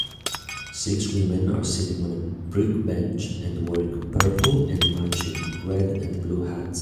Six women are sitting on a brick bench and wearing purple and matching red and blue hats.